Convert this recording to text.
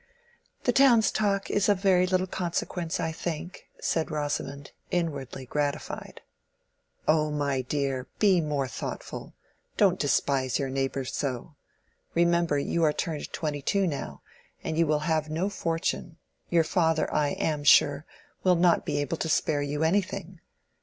"The town's talk is of very little consequence, I think," said Rosamond, inwardly gratified. "Oh, my dear, be more thoughtful; don't despise your neighbors so. Remember you are turned twenty two now, and you will have no fortune: your father, I am sure, will not be able to spare you anything.